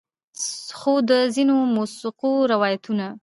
خو د ځینو مؤثقو روایتونو